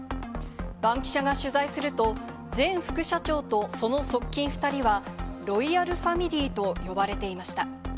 バンキシャが取材すると、前副社長とその側近２人は、ロイヤルファミリーと呼ばれていました。